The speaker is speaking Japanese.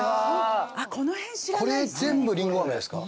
これ全部りんご飴ですか？